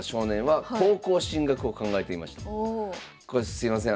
すいません